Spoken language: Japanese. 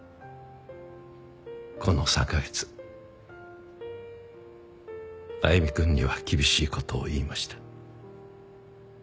この３カ月歩くんには厳しい事を言いました。